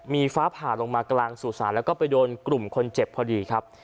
มีฟ้าผ่าลงมากลางสู่ศาลแล้วก็ไปโดนกลุ่มคนเจ็บพอดีครับ